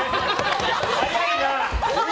早いなあ。